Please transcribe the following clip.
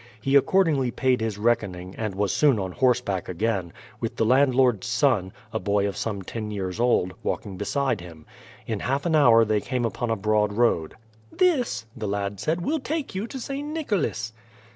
He accordingly paid his reckoning, and was soon on horseback again, with the landlord's son, a boy of some ten years old, walking beside him. In half an hour they came upon a broad road. "This," the lad said, "will take you to St. Nicholas."